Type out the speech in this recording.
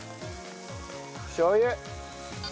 しょう油。